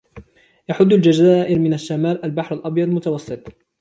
يحُدُّ الجزائر من الشمال البحر الأبيض المتوسّط.